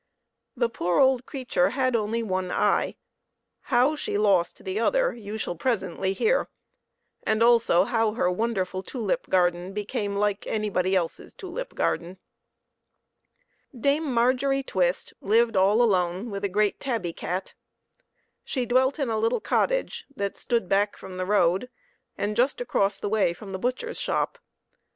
The poor old creature had only one eye ; how she lost the other you shall presently hear, and also how her won derful tulip garden became like anybody else's tulip garden. Dame Margery Twist lived all alone with a great tabby cat. She dwelt in a little cot tage that stood back from the road, and just across the way from the butcher's shop.